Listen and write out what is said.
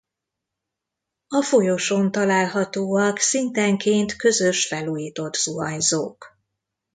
A folyosón találhatóak szintenként közös felújított zuhanyzók.